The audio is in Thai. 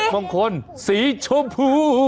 มงคลสีชมพู